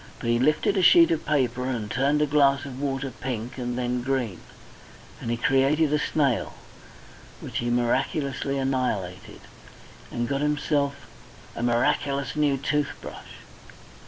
But he lifted a sheet of paper, and turned a glass of water pink and then green, and he created a snail, which he miraculously annihilated, and got himself a miraculous new tooth brush.